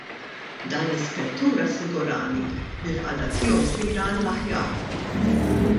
Dan l-Ispettur assigurani li l-qagħda tiegħu sejra għall-aħjar.